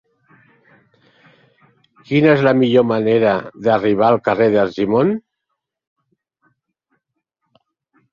Quina és la millor manera d'arribar al carrer d'Argimon?